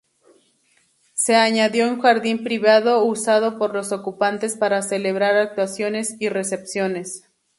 Se añadió un jardín privado, usado por los ocupantes para celebrar actuaciones y recepciones.